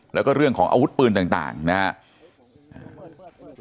แล้วก็เรื่องของอาวุธปืนต่างนะครับ